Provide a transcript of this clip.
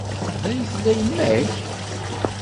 Da ay tella yemma-k?